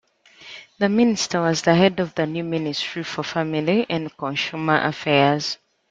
The minister was the head of the new Ministry for Family and Consumer Affairs.